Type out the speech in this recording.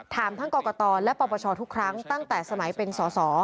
ถามทั้งกรกตและปปชทุกครั้งตั้งแต่สมัยเป็นสอสอ